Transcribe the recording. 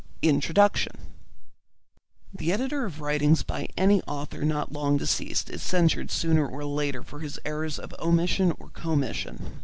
INTRODUCTION The editor of writings by any author not long deceased is censured sooner or later for his errors of omission or commission.